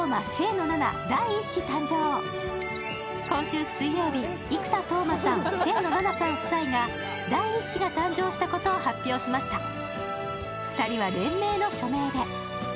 今週水曜日、生田斗真さん、清野菜名さん夫妻が第１子が誕生したことを発表しました。